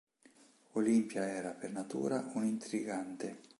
Olimpia era, per natura, un'intrigante.